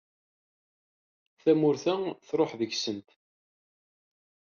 Tamurt-a truḥ degs-sent.